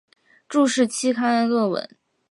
注释期刊论文